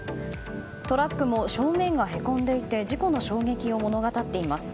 トラックも正面がへこんでいて事故の衝撃を物語っています。